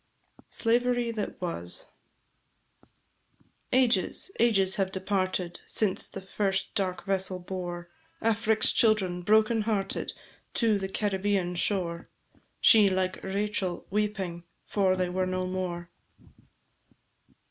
The Ouse. SLAVERY THAT WAS. Ages, ages have departed, Since the first dark vessel bore Afric's children, broken hearted, To the Caribbéan shore; She, like Rachel, Weeping, for they were no more.